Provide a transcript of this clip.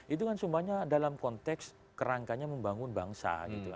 itu kan semuanya dalam konteks kerangkanya membangun bangsa gitu